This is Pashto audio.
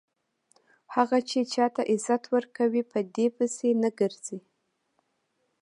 هغه چې چاته عزت ورکوي په دې پسې نه ګرځي.